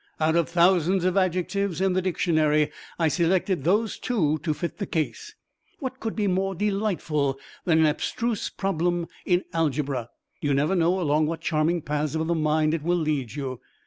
Out of thousands of adjectives in the dictionary I selected those two to fit the case. What could be more delightful than an abstruse problem in algebra? You never know along what charming paths of the mind it will lead you.